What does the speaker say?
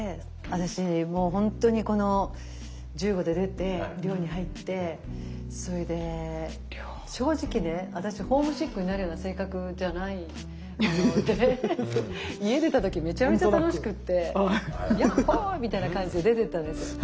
私もう本当にこの１５で出て寮に入ってそれで正直ね私ホームシックになるような性格じゃないので家出た時めちゃめちゃ楽しくって「やっほ」みたいな感じで出ていったんですよ。